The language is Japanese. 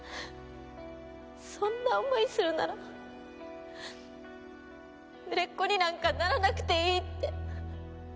そんな思いするなら売れっ子になんかならなくていいって。